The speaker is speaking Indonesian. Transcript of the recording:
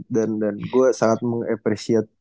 dan gue sangat mengapresiasi